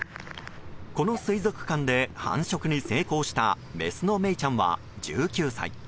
この水族館で繁殖に成功したメスのメイちゃんは１９歳。